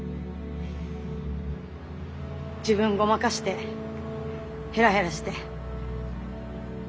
自分ごまかしてヘラヘラして。